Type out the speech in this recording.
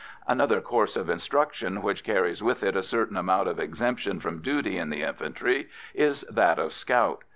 Another course of instruction which carries with it a certain amount of exemption from duty in the infantry is that of scout.